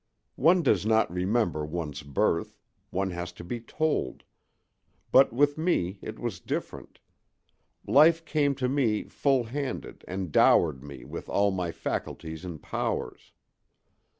One does not remember one's birth—one has to be told. But with me it was different; life came to me full handed and dowered me with all my faculties and powers.